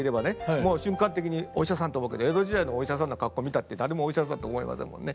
もう瞬間的に「お医者さん」と思うけど江戸時代のお医者さんの格好見たって誰もお医者さんと思いませんもんね。